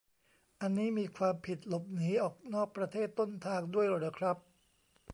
อันนี้มีความผิดหลบหนีออกนอกประเทศต้นทางด้วยเหรอครับ